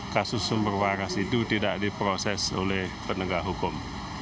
kasus sumber waras itu tidak diproses oleh penegak hukum